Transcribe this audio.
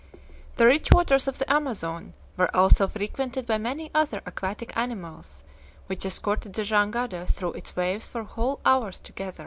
The rich waters of the Amazon were also frequented by many other aquatic animals, which escorted the jangada through its waves for whole hours together.